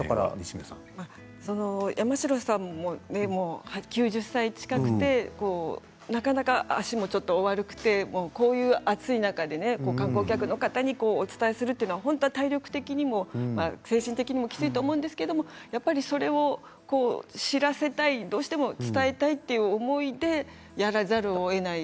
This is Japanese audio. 山城さんも９０歳近くてなかなか足も、お悪くてこういう暑い中で観光客の方にお伝えするというのは体力的にも精神的にもきついと思うんですけれどやっぱり、これを知らせたいどうしても伝えたいという思いでやらざるをえない。